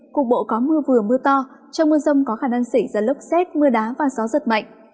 cục bộ có mưa vừa mưa to trong mưa rông có khả năng xảy ra lốc xét mưa đá và gió giật mạnh